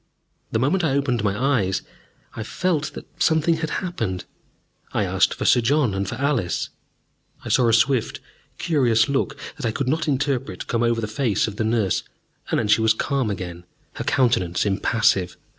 The moment I opened my eyes, I felt that something had happened. I asked for Sir John and for Alice. I saw a swift, curious look that I could not interpret come over the face of the nurse, then she was calm again, her countenance impassive.